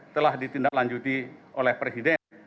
telah ditindaklanjuti oleh presiden